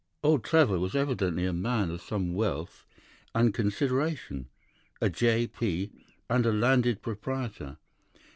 "Old Trevor was evidently a man of some wealth and consideration, a J.P. and a landed proprietor.